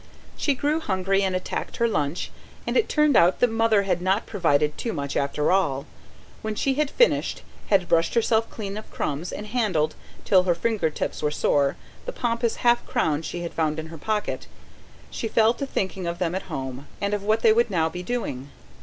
She grew hungry and attacked her lunch, and it turned out that Mother had not provided too much after all. When she had finished, had brushed herself clean of crumbs and handled, till her finger tips were sore, the pompous half crown she had found in her pocket, she fell to thinking of them at home, and of what they would now be doing.